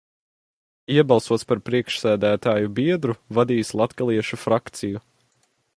Iebalsots par priekšsēdētāja biedru, vadījis latgaliešu frakciju.